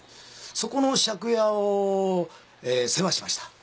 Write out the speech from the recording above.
そこの借家を世話しました。